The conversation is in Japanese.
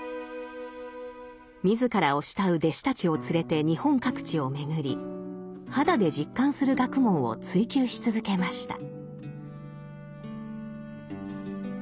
自らを慕う弟子たちを連れて日本各地を巡り肌で実感する学問を追究し続けました。